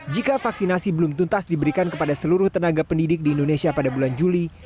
jika vaksinasi belum tuntas diberikan kepada seluruh tenaga pendidik di indonesia pada bulan juli